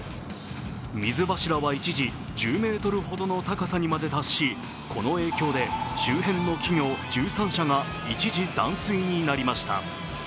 水柱は一時１０ｍほどの高さにまで達し、この影響で周辺の企業１３社が一時、断水になりました。